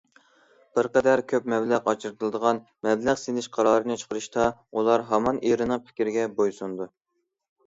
بىر قەدەر كۆپ مەبلەغ ئاجرىتىلىدىغان مەبلەغ سېلىش قارارىنى چىقىرىشتا ئۇلار ھامان ئېرىنىڭ پىكرىگە بويسۇنىدۇ.